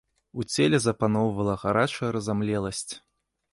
У целе запаноўвала гарачая разамлеласць.